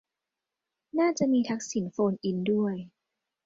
น่าจะมีทักษิณโฟนอินด้วย